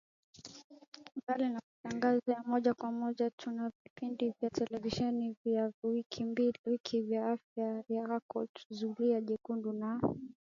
Mbali na matangazo ya moja kwa moja tuna vipindi vya televisheni vya kila wiki vya Afya Yako, Zulia Jekundu na